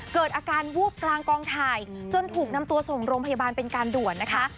เกิดอาการวูบกลางกองถ่ายจนถูกนำตัวส่งโรงพยาบาลเป็นการด่วนนะคะ